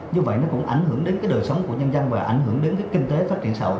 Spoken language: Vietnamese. như vậy nó cũng ảnh hưởng đến cái đời sống của nhân dân và ảnh hưởng đến cái kinh tế phát triển xã hội